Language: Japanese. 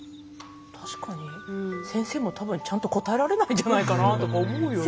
確かに先生も多分ちゃんと答えられないんじゃないかなとか思うよね。